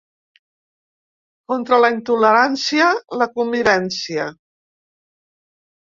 Contra la intolerància, la convivència.